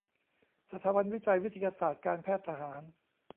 สถาบันวิจัยวิทยาศาสตร์การแพทย์ทหาร